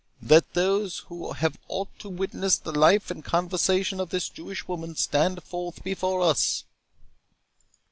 —Let those who have aught to witness of the life and conversation of this Jewish woman, stand forth before us."